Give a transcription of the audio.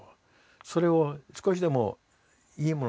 それを少しでもいいものにしよう。